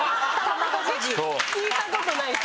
聞いたことない。